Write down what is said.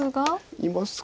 いますが。